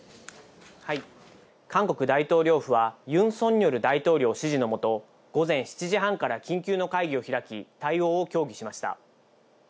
韓国大統領府はユン・ソンニョル大統領指示のもと、午前７時半から緊急の会議を開き、対応を協議しました。